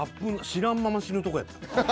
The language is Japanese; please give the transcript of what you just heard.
知らんまま死ぬとこやった。